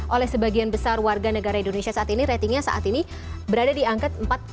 oleh sebagian besar warga negara indonesia saat ini ratingnya saat ini berada di angka empat puluh